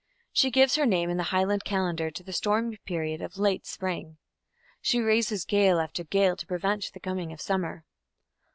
She gives her name in the Highland calendar to the stormy period of late spring; she raises gale after gale to prevent the coming of summer.